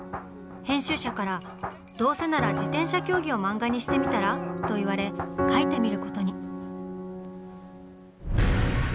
編集者から「どうせなら自転車競技を漫画にしてみたら？」と言われ描いてみることに。